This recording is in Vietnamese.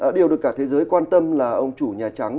điều được cả thế giới quan tâm là ông chủ nhà trắng